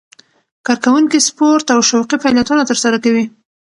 کارکوونکي سپورت او شوقي فعالیتونه ترسره کوي.